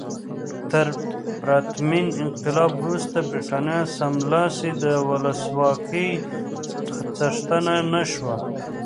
تر پرتمین انقلاب وروسته برېټانیا سملاسي د ولسواکۍ څښتنه نه شوه.